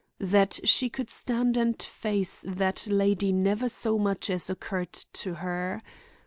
That she could stand and face that lady never so much as occurred to her.